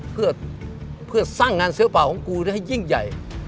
เพื่อสร้างงานศิลปะของกูให้ยิ่งใหญ่